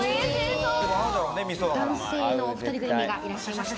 男性の２人組がいらっしゃいました。